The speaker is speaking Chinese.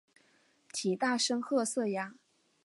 体大深褐色鸭。